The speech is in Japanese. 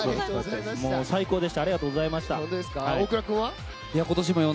最高でした。